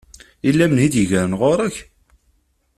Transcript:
Yella menhu i d-yegren ɣer ɣur-k?